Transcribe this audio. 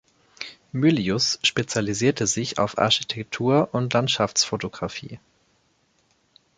Mylius spezialisierte sich auf die Architektur- und Landschaftsfotografie.